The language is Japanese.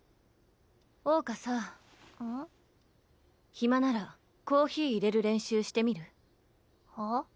暇ならコーヒーいれる練習してみる？はあ？